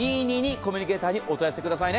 コミュニケーターにお問い合わせくださいね。